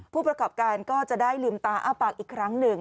ผู้ประกอบการก็จะได้ลืมตาอ้าปากอีกครั้งหนึ่ง